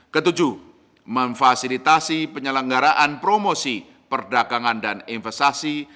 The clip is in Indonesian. ketujuh memfasilitasi penyelenggaraan promosi perdagangan dan investasi